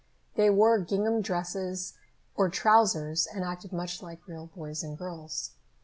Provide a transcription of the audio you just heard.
They wore gingham dresses or trousers and acted much like real boys and girls.